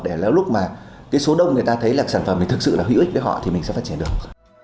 để lúc mà số đông người ta thấy là sản phẩm mình thực sự là hữu ích với họ thì mình sẽ phát triển được